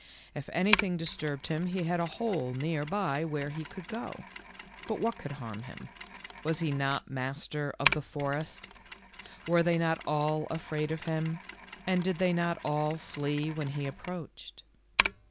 If anything dis turbed him he had a hole near by where he could go. But what could harm him? Was he not master of the forest? Were they not all afraid of him, and did they not all flee when he approached?